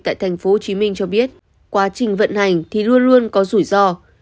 tại tp hcm cho biết quá trình vận hành thì luôn luôn có rủi ro